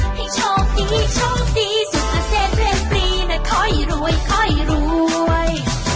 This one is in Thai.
ให้ชอบดีชอบดีสุขเศษเพลงปรีมาค่อยรวยค่อยรวย